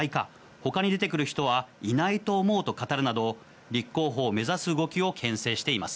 ほかに出てくる人はいないと思うと語るなど、立候補を目指す動きをけん制しています。